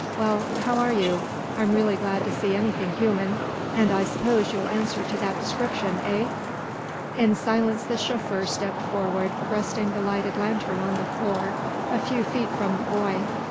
Well, how are you? I'm really glad to see anything human, and I suppose you'll answer to that description, eh?" In silence the chauffeur stepped forward resting the lighted lantern on the floor a few, feet from the boy.